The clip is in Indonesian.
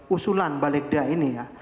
usulan balik dah ini ya